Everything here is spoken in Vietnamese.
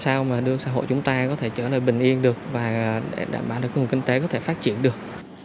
sao mà đưa xã hội chúng ta có thể trở nên bình yên được và để đảm bảo được nguồn kinh tế có thể phát triển được